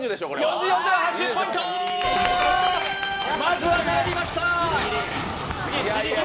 ４０・４０、８０ポイント、まずは並びました。